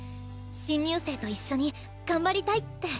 新入生と一緒に頑張りたいって。